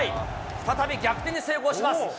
再び逆転に成功します。